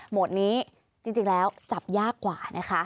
หมดนี้จริงแล้วจับยากกว่านะคะ